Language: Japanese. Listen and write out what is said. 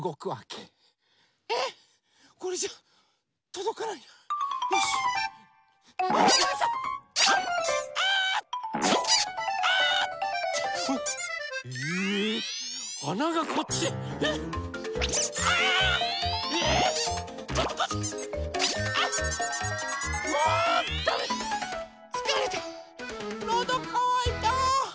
のどかわいた。